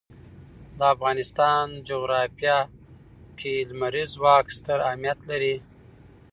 د افغانستان جغرافیه کې لمریز ځواک ستر اهمیت لري.